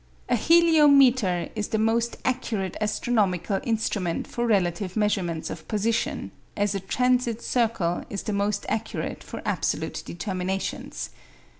A heliometer is the most accurate astronomical instrument for relative measurements of position, as a transit circle is the most accurate for absolute determinations.